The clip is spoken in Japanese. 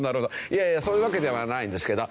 いやいやそういうわけではないんですけど。